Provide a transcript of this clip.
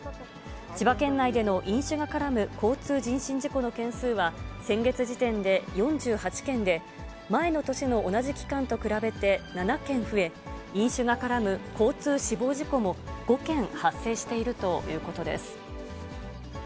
千葉県内での飲酒が絡む交通人身事故の件数は、先月時点で４８件で、前の年の同じ期間と比べて７件増え、飲酒が絡む交通死亡事故も５件発生しているということです。